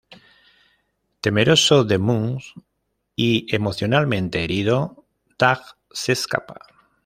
Temeroso de Muntz y emocionalmente herido, Dug se escapa.